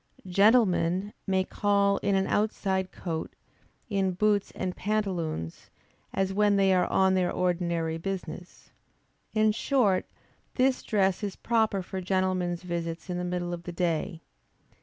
Gentlemen may call in an outside coat, in boots and pantaloons, as when they are on their ordinary business. In short, this dress is proper for gentlemen's visits in the middle of the day.